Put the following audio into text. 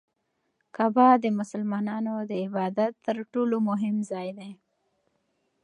کعبه د مسلمانانو د عبادت تر ټولو مهم ځای دی.